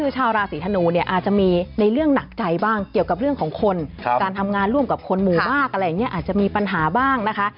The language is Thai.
ชาวราศีธนูเนี่ยอาจจะมีในเรื่องหนักใจบ้างเกี่ยวกับเรื่องของคนการทำงานร่วมกับคนหมู่มากอะไรอย่างนี้อาจจะมีปัญหาบ้างนะคะ